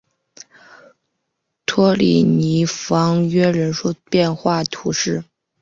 托里尼昂弗约人口变化图示